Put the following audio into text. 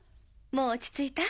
もう落ち着いた？